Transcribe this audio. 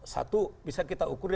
satu bisa kita ukur